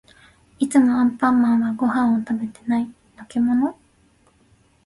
いつもアンパンマンはご飯を食べてない。のけもの？